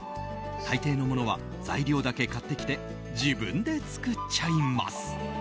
大抵のものは材料だけ買ってきて自分で作っちゃいます。